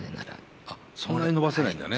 あそんなに延ばせないんだね。